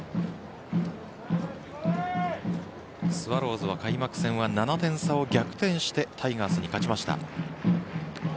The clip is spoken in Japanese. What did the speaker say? スワローズは開幕戦は７点差を逆転してタイガースに勝ちました。